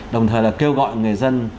đồng thời là kêu gọi người dân